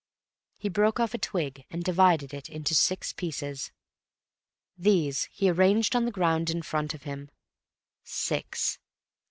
He broke off a twig and divided it into six pieces. These he arranged on the ground in front of him. Six.